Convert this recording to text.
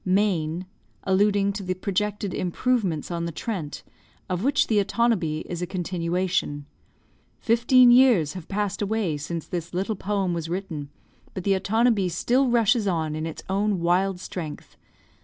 Alluding to the projected improvements on the Trent, of which the Otonabee is a continuation. Fifteen years have passed away since this little poem was written; but the Otonabee still rushes on in its own wild strength.